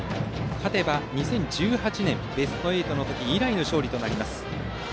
勝てば２０１８年のベスト８以来の勝利となります。